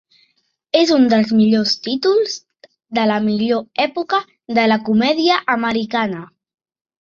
És un dels millors títols de la millor època de la comèdia americana.